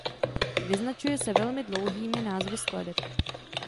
Vyznačuje se velmi dlouhými názvy skladeb.